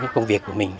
công việc của mình